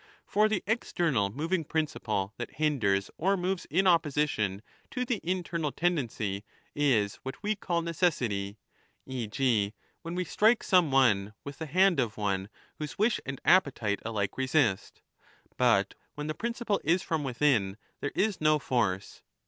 For the external moving principle, that hinders or moves in opposition to the internal tendency, is what we call necessity, e. g. when we strike some one with the hand of one whose wish and appetite alike resist ; but when the 15 principle is from within, there is no force.